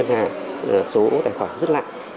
là số tài khoản rất lạ